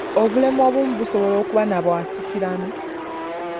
Obulemu obumu busobola okuba nga bwa nsikirano.